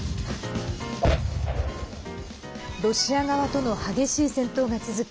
ロシア側との激しい戦闘が続く